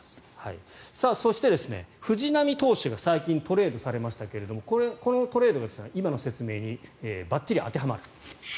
そして、藤浪投手が最近トレードされましたがこのトレードが今の説明にばっちり当てはまる。